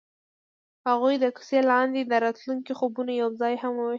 هغوی د کوڅه لاندې د راتلونکي خوبونه یوځای هم وویشل.